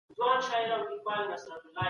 ډیپلوماټانو به ځانګړي استازي لیږلي وي.